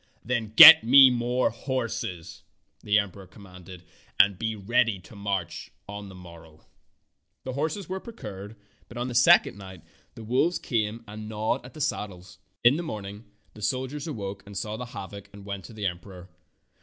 "Then get more horses," the emperor commanded, "and be ready to march on the morrow." The horses were procured, but on the second night the wolves came and gnawed the Fairy Tale Foxes 103 saddles. In the morning the soldiers awoke and saw the havoc and went to the emperor.